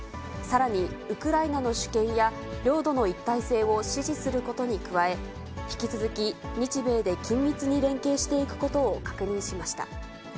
さらに、ウクライナの主権や領土の一体性を支持することに加え、引き続き日米で緊密に連携していくことを確認しました。